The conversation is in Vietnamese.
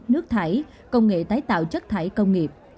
nước thải công nghệ tái tạo chất thải công nghiệp